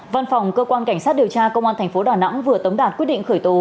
văn phòng cơ quan cảnh sát điều tra công an tp đà nẵng vừa tấm đạt quyết định khởi tố